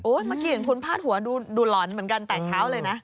เมื่อกี้เห็นคุณพาดหัวดูหลอนเหมือนกันแต่เช้าเลยนะ